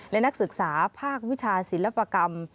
และนักศึกษาภาควิชาศิลปกรรม